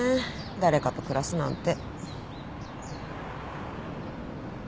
誰かと暮らすなんて。